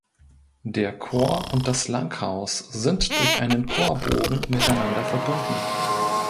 Der Chor und das Langhaus sind durch einen Chorbogen miteinander verbunden.